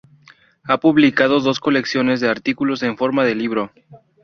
Ha publicado dos colecciones de artículos en forma de libro.